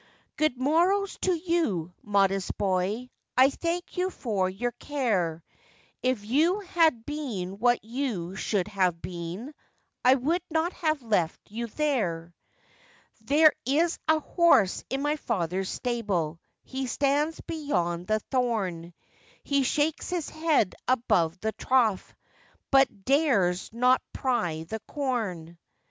'Good morrow to you, modest boy, I thank you for your care; If you had been what you should have been, I would not have left you there. 'There is a horse in my father's stable, He stands beyond the thorn; He shakes his head above the trough, But dares not prie the corn.